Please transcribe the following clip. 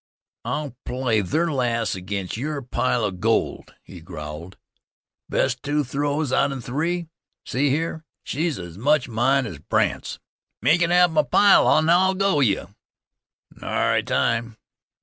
"I'll play ther lass against yer pile of gold," he growled. "Best two throws out 'en three. See here, she's as much mine as Brandt's." "Make it half my pile an' I'll go you." "Nary time.